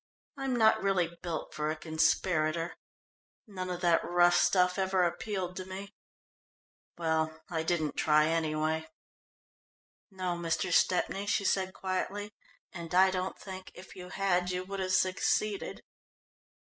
"I'm not really built for a conspirator. None of that rough stuff ever appealed to me. Well, I didn't try, anyway." "No, Mr. Stepney," she said quietly, "and I don't think, if you had, you would have succeeded."